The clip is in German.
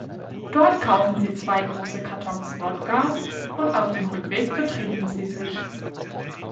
Dort kaufen sie zwei große Kartons Wodka, und auf dem Rückweg betrinken sie sich.